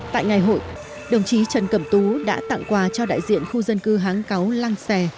tại ngày hội đồng chí trần cẩm tú đã tặng quà cho đại diện khu dân cư háng cáu lăng xè